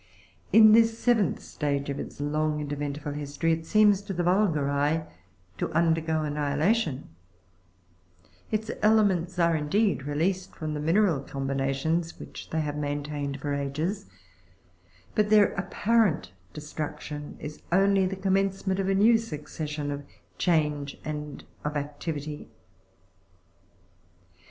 In this seventh stage of its long and eventful history, it seems, to the vulgar eye, to undergo annihila tion ; its elements are, indeed, released from the mineral combinations which they have maintained for ages, but their apparent destruction is only the commencement of new successions of change and of activity.